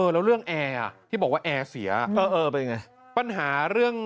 แล้วเรื่องแอร์ที่บอกว่าแอร์เสียเออเป็นไงปัญหาเรื่อง